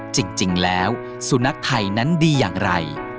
จริงแล้วสุนัขไทยนั้นดีอย่างไร